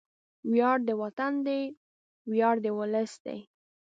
وياړ د وطن دی، ویاړ د ولس دی